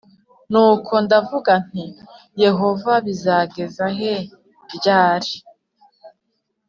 Nuko ndavuga nti Yehova bizageza ryari